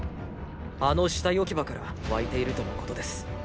あの死体置き場から湧いているとのことです。